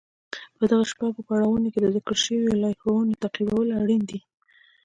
په دغو شپږو پړاوونو کې د ذکر شويو لارښوونو تعقيبول اړين دي.